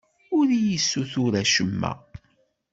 Ur iyi-ssutur acemma.